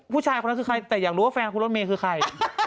ผู้ชายคนนั้นคือใครแต่อยากรู้ว่าแฟนคุณรถเมย์คือใคร